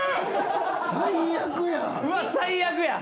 最悪やん。